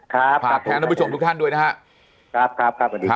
ครับตอบแทนท่านผู้ชมทุกท่านด้วยนะครับครับครับสวัสดีครับ